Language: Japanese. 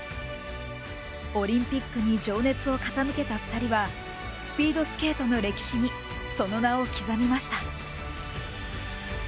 オリンピックに情熱を傾けた２人はスピードスケートの歴史にその名を刻みました。